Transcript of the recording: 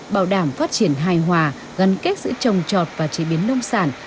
bảo đảm phát triển hài hòa gắn kết giữa trồng trọt và chế biến nông sản